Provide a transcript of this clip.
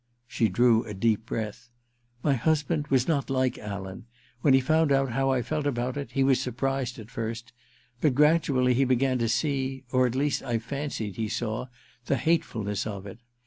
She drew a deep breath. * My husband was not like Alan. When he found out how I felt about it he was surprised at first — but gradually he began to see — or at least I fancied he saw — the hatefulness of it.